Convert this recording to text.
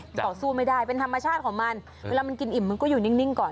ต่อสู้ไม่ได้เป็นธรรมชาติของมันเวลามันกินอิ่มมันก็อยู่นิ่งก่อน